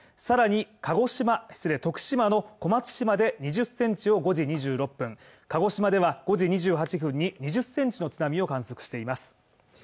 さらに、鹿児島、徳島の小松島で２０センチを５時２６分鹿児島では５時２８分に２０センチの津波を観測しています。